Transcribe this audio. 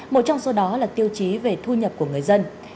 một trong số đó là tiêu chí về thu nhập của người dân